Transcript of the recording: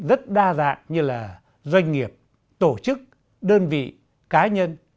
rất đa dạng như doanh nghiệp tổ chức đơn vị cá nhân